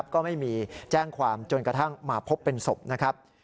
ก็ไม่มีแจ้งความจนกระทั่งมาพบเป็นศพนะครับ